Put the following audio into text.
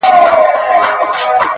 کلی رخصت اخلي ه ښاريه ماتېږي!!